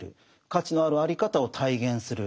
価値のあるあり方を体現する。